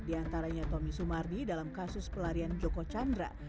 diantaranya tommy sumardi dalam kasus pelarian joko chandra